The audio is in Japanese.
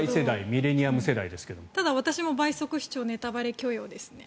ミレニアル世代ですけどただ、私も倍速視聴ネタバレ許容ですね。